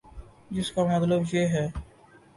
جس کا مطلب یہ ہے۔